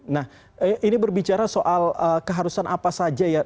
nah ini berbicara soal keharusan apa saja ya